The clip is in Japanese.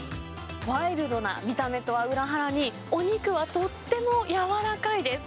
ワイルドな見た目とは裏腹に、お肉はとっても柔らかいです。